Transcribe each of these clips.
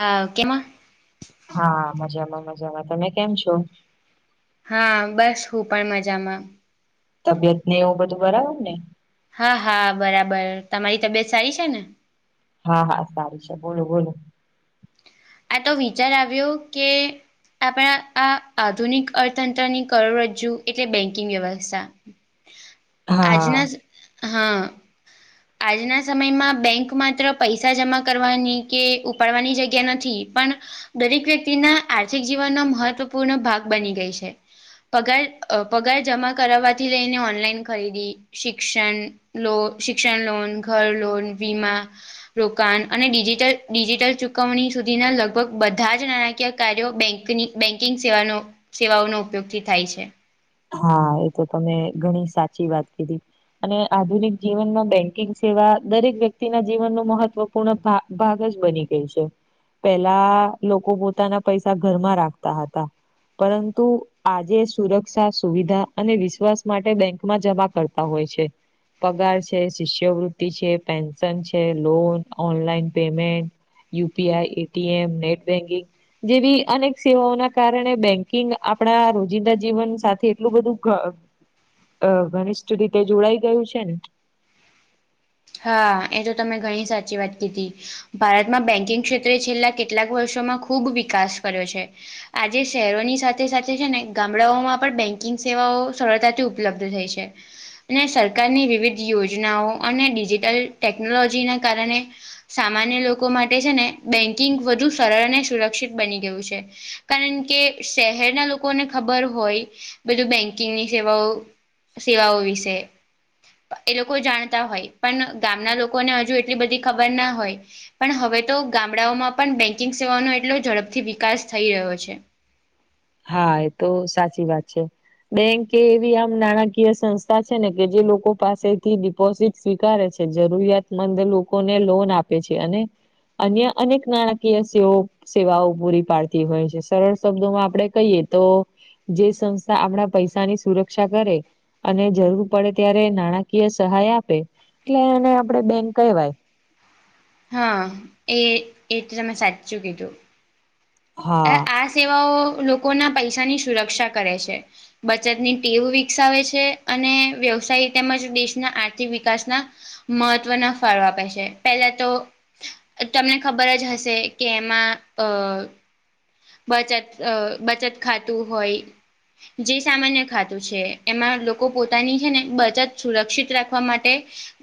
હ ઓકે માં હા મજામાં મજામાં તમે કેમ છો? હા બસ હું પણ મજામાં. તબિયત ને એવું બધું બરાબર ને. હા હા બરાબર તમારી તબિયત સારી છે ને. હા હા સારી છે બોલો બોલો. આ તો વિચાર આવ્યો કે આપણા આ આધુનિક અર્થતંત્રની કરોરજ્જુ એટલે બેંકિંગ વ્યવસ્થા [inaudible] આજના જ હા. આજના સમયમાં બેંક માત્ર પૈસા જમા કરવાની કે ઉપાડવાની જગ્યા નથી થી પણ દરેક વ્યક્તિના આર્થિક જીવનનો મહત્વપૂર્ણ ભાગ બની ગઈ છે. પગાર અ પગાર જમા કરાવવાથી લઈને ઓનલાઈન ખરીદી શિક્ષણ લો શિક્ષણ લોન ઘર લોન વિમા રોકાણ અને ડિજિટલ ડિજિટલ ચુકવણી સુધીના લગભગ બધા જ નાણાકીય કાર્યો બેકની બેન્કિંગ સેવાનો સેવાઓનો ઉપયોગથી થાય છે. હા એ તો તમે ઘણી સાચી વાત કીધી અને આધુનિક જીવનમાં બેંકિંગ સેવા દરેક વ્યક્તિના જીવન નુ મહત્વ પૂર્ણ ભ ભાગ જ બની ગયુ છે. પેલા લોકો પોતાના પૈસા ઘરમાં રાખતા હતા પરંતુ આજે સુરત શિકા સુવિધા અને વિશ્વાસ માટે બેંકમાં જમા કરતા હોય છે પગાર છે શિષ્યવૃતિ છે પેન્શન છે loan online payment UPI ATM net banking જેવી અનેક સેવાઓના કારણે બેંકિંગ આપણા રોજિંદા જીવન સાથે એટલું બધું ઘનિષ્ઠ રીતે જોડાઈ ગયું છે ને હા એ તો તમે ઘણી સાચી વાત કીધી ભારતમાં બેન્કિંગ ક્ષેત્રે છેલ્લા કેટલાક વર્ષોમાં ખૂબ વિકાસ કર્યો છે આજે શહેરોની સાથે સાથે છે ને ગામડાઓમાં પણ બેન્કિંગ સેવાઓ સરળતાથી ઉપલબ્ધ થઈ છે અને સરકારની વિવિધ યોજનાઓ અને ડિજિટલ ટેકનોલોજીના કારણે સામાન્ય લોકો માટે છે ને બેન્કિંગ વધુ સરળ અને સુરક્ષિત બની ગયું છે કારણ કે શહેરના લોકોને ખબર હોય બધું બેંકિંગની સેવાઓ સેવાઓ વિશે એ લોકો જાણતા હોય પણ ગામના લોકોને હજુ એટલી બધી ખબર ના હોય પણ હવે તો ગામડાઓમાં પણ બેંકિંગ સેવાનો એટલો ઝડપથી વિકાસ થઈ રહ્યો છે હા એ તો સાચી વાત છે બેંકે એ એવી આમ નાણાકીય સંસ્થા છે ને કે જે લોકો પાસેથી ડિપોઝિટ સ્વીકારે છે જરૂરિયાતમંદ લોકોને લોન આપે છે અને અન્ય અનેક નાણાકીય સે સેવાઓ પૂરી પાડતી હોય છે સરળ શબ્દોમાં આપણે કહીએ તો જે સંસ્થા આપણા પૈસાની સુરક્ષા કરે અને જરૂર પડે ત્યારે નાણાકીય સહાય આપે એટલે એને આપણે બેંક કહેવાય હા એ એ તો તમે સાચું કીધું હા આ સેવાઓ લોકો ના પૈસાની સુરક્ષા કરે છે બચતની ટેવ વિકસાવે છે અને વ્યવસાય તેમજ દેશના આર્થિક વિકાસના મહત્ત્વના ફાળો આપે છે પેલા તો તમને ખબર જ હશે કે એમાં અ બચત અ બચત ખાતું હોય જે સામાન્ય ખાતું છે એમાં લોકો પોતાની છે ને બચત સુરક્ષિત રાખવા માટે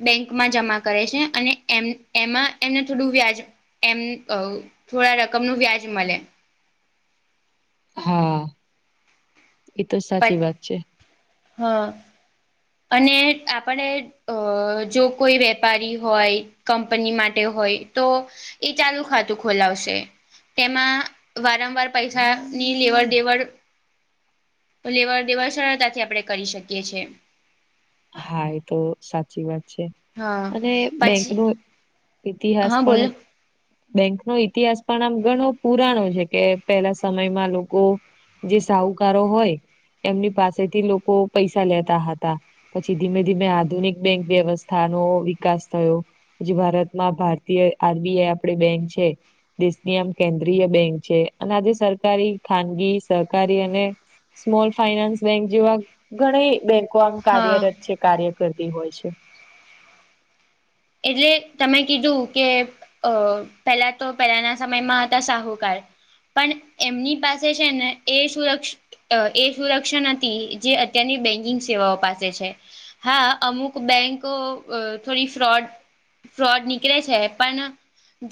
બેંકમાં જમા કરે છે અને એમાં એમને થોડું વ્યાજ એમ થોડા રકમ ન વ્યાજ મળે [unintelligible] હા એતો સાચી વાત છે હા અને આપણે અ જો કોઈ વેપારી હોય કંપની માટે હોય તો એ ચાલુ ખાતું ખોલાવશે તેમાં વારંવાર પૈસા ની લેવડ દેવડ લેવડ દેવડ સરળતાથી આપણે કરી શકીએ છીએ હા એ તો સાચી વાત છે હા અને બેંક પછી નુ ઇતિહાસ હા પણ બોલો બેંક નો ઇતિહાસ પણ આમ ઘણો પુરાણો છે કે પેલા સમયમાં લોકો જે સાહુકારો હોય એમની પાસેથી લોકો પૈસા લેતા હતા પછી ધીમે ધીમે આધુનિક બેંક વ્યવસ્થાનો વિકાસ થયો પછી ભારતમાં ભારતીય આરબીઆઈ આપડી બેંક છે દેશની આમ કેન્દ્રીય બેંક છે અને આજે સરકારી ખાનગી સહકારી અને સ્મોલ ફાઈનાન્સ બેંક જેવા ઘણી બેંક કોમ હા કાર્યરત છે કાર્ય કરતી હોય છે એટલે તમે કીધું કે અ પહેલા તો પહેલાના સમયમાં હતા સાહુકાર પણ એમની પાસે છે ને એ સુરક્ષ એ સુરક્ષા નતી જે અત્યારની બેન્કિંગ સેવાઓ પાસે છે હા અમુક બેંકો થોડી ફ્રોડ ફ્રોડ નીકળે છે પણ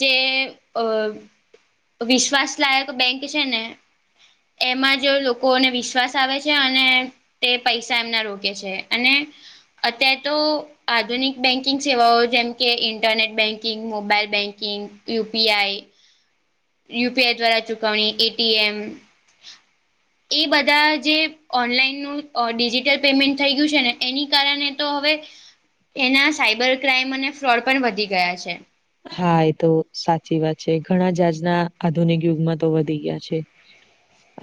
જે અ વિશ્વાસ લાયક બેંક છે ને એમાં જ લોકોને વિશ્વાસ આવે છે અને તે પૈસા એમના રોકે છે અને અત્યારે તો આધુનિક બેન્કિંગ સેવાઓ જ જેમકે internet banking mobile banking UPI UP આઈ દ્વારા ચુકવણી એ ટી એમ એ બધા જે ઓનલાઈનનું ડિજિટલ પેમેન્ટ થઈ ગયું છે ને એની કારણે તો હવે એના સાઈબર ક્રાઈમ અને ફ્રોડ પણ વધી ગયા છે હા એ તો સાચી વાત છે ઘણા જાજના આધુનિક યુગમાં તો વધી ગયા છે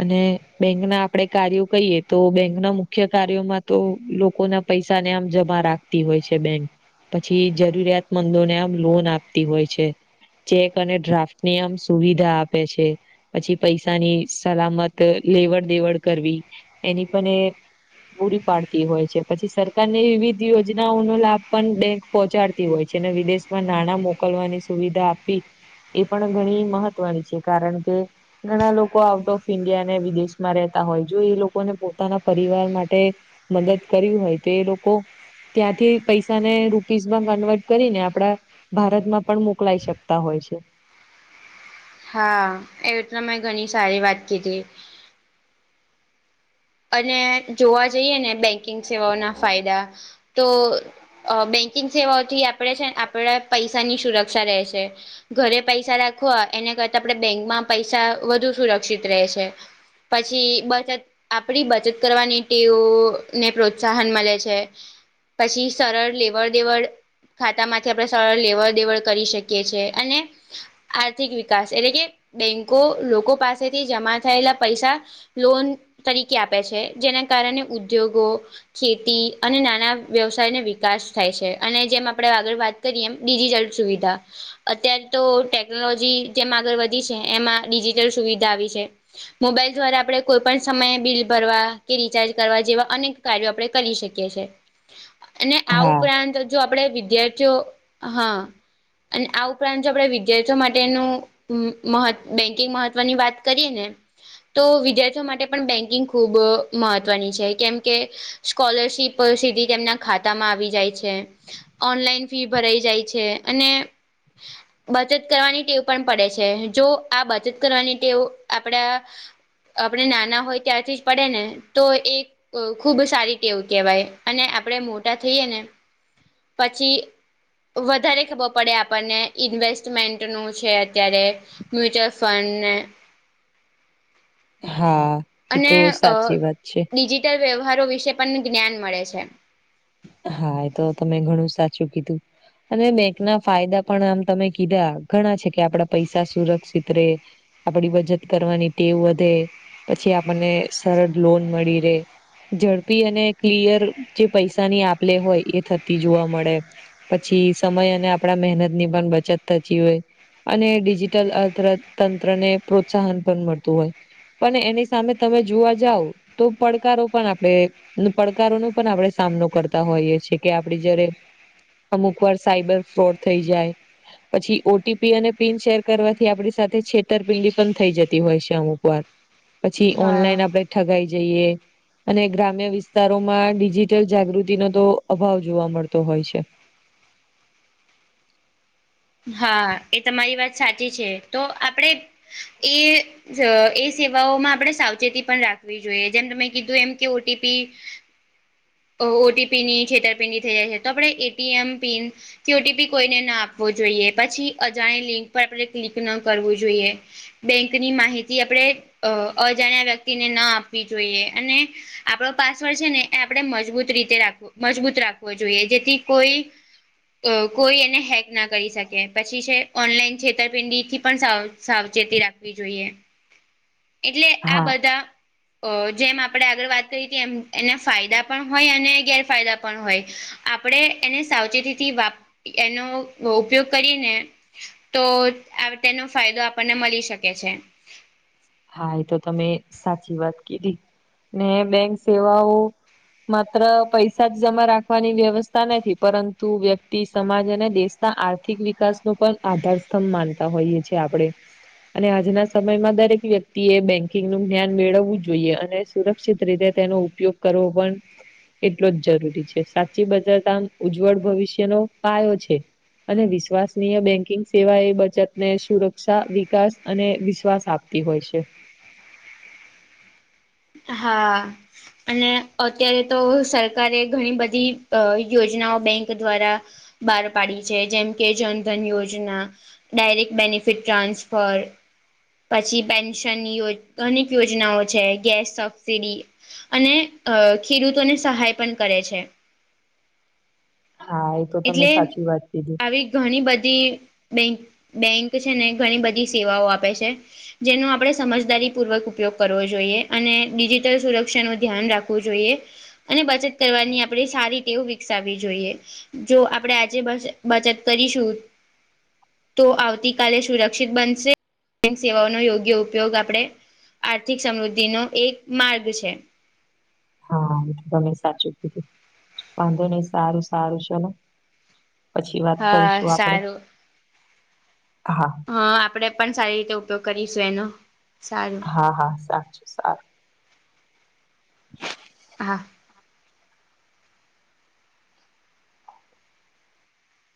અને બેંક ના આપડે કાર્યો કહીએ તો બેંક ના મુખ્ય કાર્યોમાં તો લોકો ના પૈસાને આમ જમા રાખતી હોય છે બેંક પછી જરૂરિયાતમંદોને આમ લોન આપતી હોય છે ચેક અને ડ્રાફ્ટની આમ સુવિધા આપે છે પછી પૈસાની સલામત લેવડ દેવડ કરવી એની પણ એ પૂરી પાડતી હોય છે પછી સરકાર ની વિવિધ યોજનાઓ ન લાભ પણ બેન્ક પહોચાડતી હોય છે અને વિદેશમાં નાણાં મોકલવાની સુવિધા આપી એ પણ ઘણી મહત્વની છે કારણ કે ઘણા લોકો આઉટ ઓફ ઈન્ડિયાને વિદેશમાં રહેતા હોય જો એ લોકોને પોતાના પરિવાર માટે મદદ કરવી હોય તો એ લોકો ત્યાંથી પૈસાને રૂપીસ માં કન્વર્ટ કરીને આપડા ભારત પણ મોકલાઈ શકતા હોય છે હા એવી તમેં ઘણી સારી વાત કીધી અને જોવા જઈએ ને બેંકિંગ સેવાઓના ફાયદા તો અ બેન્કિંગ સેવાઓથી આપડે છેને આપડા પૈસાની સુરક્ષા રહેશે ઘરે પૈસા રાખવા એના કરતા આપડે બેંકમાં પૈસા વધુ સુરક્ષિત રહે છે પછી બચત આપડી બચત કરવાની ટેવ ને પ્રોત્સાહન મળે છે પછી સરળ લેવડ દેવડ ખાતામાંથી આપડે સરળ લેવડ દેવડ કરી શકીએ છે અને આર્થિક વિકાસ એટલે કે બેંકો લોકો પાસેથી જમા થયેલા પૈસા લોન તરીકે આપે છે જેના કારણે ઉદ્યોગો ખેતી અને નાના વ્યવસાયને વિકાસ થાય છે અને જેમ આપડે આગળ વાત કરી એમ ડિજિટલ સુવિધા અત્યારે તો ટેકનોલોજી જેમ આગળ વધી છે એમાં ડિજીિટલ સુવિધા આવી છે મોબાઈલ દ્વારા આપડે કોઈ પણ સમયે બિલ ભરવા કે રિચાર્જ કરવા જેવા અનેક કાર્યો આપડે કરી શકીએ છે અને આ હા ઉપરાંત જો આપડે વિદ્યાર્થીઓ હા અને આ ઉપરાંત આપણે વિદ્યાથીઓ માટેનું હ મહ બેંકિંગ મહત્વની વાત કરીએ ને તો વિદ્યાર્થીઓ માટે પણ બેંકિંગ ખૂબ મહત્વની છે કેમ કે સ્કોલરશિપ સીધી તેમના ખાતા માં આવી જાય છે ઓનલાઈન ફી ભરાઈ જાય છે અને [inaudible] બચત કરવાની ટેવ પણ પડે છે જો આ બચત કરવાની ટેવ આપડા આપડે નાના હોય ત્યારથી જ પડે ને તો એક તો ખુબ સારી ટેવ કહેવાય અને આપડે મોટા થઈએ ને પછી વધારે ખબર પડે આપણને ઇન્વેસ્ટમેન્ટનું છે અત્યારે મ્યુચ્યઅલ ફંડને હા. એ અને તો અ સાચી વાત છે. ડિજિટલ વ્યવહારો વિશે પણ જ્ઞાન મળે છે. હા એ તો તમે ઘણું સાચું કીધું. અને બેંક ના ફાયદા પણ આમ તમે કીધા ઘણા છે કે આપડા પૈસા સુરક્ષિત રેય. આપડી બચત કરવાની ટેવ વધે પછી આપણને સરળ લોન મળી રેય. ઝડપી અને ક્લિયર જે પૈસાની આપ લે જે થતી હોય એ જોવા મળે. પછી સમય અને આપણા મહેનતની પણ બચત થતી હોય. અને ડિજિટલ અર્થતંત્રને પ્રોત્સાહન પણ મળતું હોય. પણ એની સામે તમે જોવા જાવ તો પડકારો પણ આપણેે પડકારો નો પણ આપડે સામનો કરતા હોઈએ છે કે આપડે જયારે અમુક વાર સાયબર ફ્રોડ થઈ જાય પછી ઓટીપી અને પિન શેર કરવાથી આપડી સાથે છેતરપિંડી પણ થઈ જતી હોય છે અમુક વાર [inaudible] પછી હા. ઓનલાઈન આપણે ઠગાઈ જઈએ અને ગ્રામ્ય વિસ્તારોમાં ડિજિટલ જાગૃતિ નો તો અભાવ જોવા મળતો હોય છે. હા એ તમારી વાત સાચી છે તો આપડે એ એ સેવાઓમાં આપણે સાવચેતી પણ રાખવી જોઈએ જેમ તમે કીધું એમ કે ઓટીપી ઓટીપી ની છેતરપિંડી થઈ જાય છે તો આપણે એ ટી એમ પિન થી ઓ ટી પી કોઈને ના આપવો જોઈએ પછી અજાણી લિંક પર આપણે ક્લિક ન કરવું જોઈએ. બેંકની માહિતી આપણે અજાણ્યા વ્યક્તિને ના આપવી જોઈએ અને આપણો પાસવર્ડ છે ને એ આપણે મજબૂત રીતે રાખ મજબૂત રાખવો જોઈએ જેથી કોઈ અ કોઈ એને હેક ના કરી શકે પછી છે ઓનલાઈન છેતરપિંડી થી પણ સાવચેતી રાખવી જોઈએ એટલે આ હા બધા અ જેમ આપણે આગળ વાત કરી હતી એમ એના ફાયદા પણ હોય અને ગેરફાયદા પણ હોય. આપણે એને સાવચેતીથી વાપ એનો ઉપયોગ કરયે ને તો તેનો ફાયદો આપણને મળી શકે છે. હા એ તો તમે સાચી વાત કીધી ને બેંક સેવાઓ માત્ર પૈસા જ જમા રાખવાની વ્યવસ્થા નથી પરંતુ વ્યક્તિ, સમાજ અને દેશ આર્થિક વિકાસ ને પણ આધાર સ્તંભ માનતા હોઈએ છે આપણે અને આજના સમયમાં દરેક વ્યક્તિ એ બેન્કિંગ નું જ્ઞાન મેળવવું જોઈએ અને સુરક્ષિત રીતે તેનો ઉપયોગ કરવો પણ એટલો જ જરૂરી છે સાચી બજારતામ ઉજ્જવળ ભવિષ્યનો પાયો છે. અને વિશ્વાસનીય બેંકિંગ સેવા એ બચતને સુરક્ષા, વિકાસ અને વિશ્વાસ આપે તી હોય છે. હા. અને અત્યારે તો સરકારે ઘણી બધી અ યોજનાઓ બેંક દ્વારા બહાર પાડી છે જેમ કે જનધન યોજના, ડાયરેક્ટ બેનિફિટ ટ્રાન્સફર પછી પેન્શનની અનેક યોજનાઓ છે, ગેસ સબસીડી અને અ ખેડૂતોને સહાય પણ કરે છે. હા. તો તમે એટલે સાચી વાત કીધી આવી ઘણી બધી બેંક બેંક છે ને ઘણી બધી સેવાઓ આપે છે. જેનો આપણે સમજદારી પૂર્વક ઉપયોગ કરવો જોઈએ અને ડિજિટલ સુરક્ષાનું ધ્યાન રાખવું જોઈએ. અને બચત કરવાની આપણે સારી ટેવ વિકસાવવી જોઈએ. જો આપણે આજે બચત કરીશું તો આવતીકાલે સુરક્ષિત બનશે સેવાઓનો યોગ્ય ઉપયોગ આપણે આર્થિક સમૃદ્ધિ નો એક માર્ગ છે. હા, એ તો તમે સાચું કીધું વાંધો નહી સારું સારું ચલો પછી વાત હા કરીશું આપડે સારું હા. હા, આપડે પણ સારી રીતે ઉપયોગ કરીશું એનો સારું. હા હા સાચું સારું. હ હા.